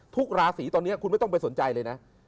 ทุกราศีตอนนี้คุณไม่ต้องไปสนใจเลยนะ